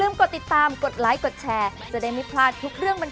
มาแล้วมิตรนะ